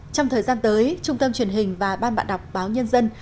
trong thời gian tới trung tâm truyền hình và ban bạn đọc báo nhân dân